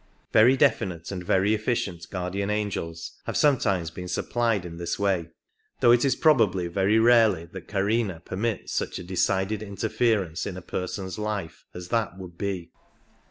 Very definite and very efficient guardian angels have some 75 times been supplied in this way, though it is probably very rarely that Karma permits such a decided interference in a person's life as that would be.